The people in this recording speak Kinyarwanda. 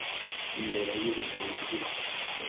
imbere y ibintu wifuza